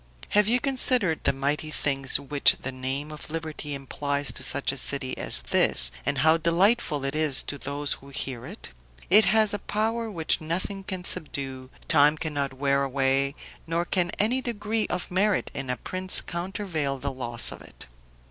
Have you considered the mighty things which the name of liberty implies to such a city as this, and how delightful it is to those who hear it? It has a power which nothing can subdue, time cannot wear away, nor can any degree of merit in a prince countervail the loss of it.